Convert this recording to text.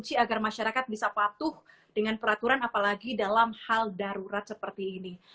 jadi kunci agar masyarakat bisa patuh dengan peraturan apalagi dalam hal darurat seperti ini